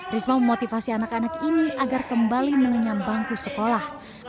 risma memotivasi anak anak ini agar kembali menyenyambangku sekolah